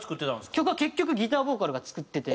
曲は結局ギターボーカルが作ってて。